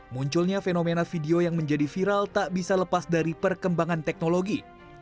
munculnya fenomena video yang menjadi viral tak bisa lepas dari perkembangan teknologi